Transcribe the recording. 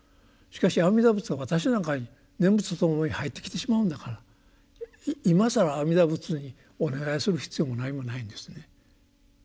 しかし阿弥陀仏が私の中に念仏とともに入ってきてしまうんだから今更阿弥陀仏にお願いする必要もなにもないんですね。